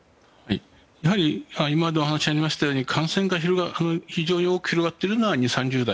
やはり今の話にありましたように感染が広がっているのは２０３０代。